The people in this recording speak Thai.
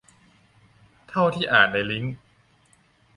เท่าที่อ่านในลิงก์